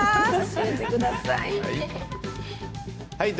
教えてください。